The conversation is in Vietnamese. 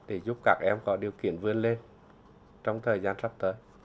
để giúp các em có điều kiện vươn lên trong thời gian sắp tới